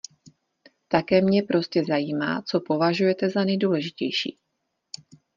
Také mě prostě zajímá, co považujete za nejdůležitější.